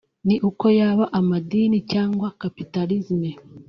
ni uko yaba amadini cyangwa Capitalism